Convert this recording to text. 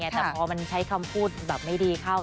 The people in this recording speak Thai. แต่พอใช้คำพูดไม่ดีเข้า